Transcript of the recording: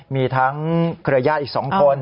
มีทั้งเครือญาติอีก๒คน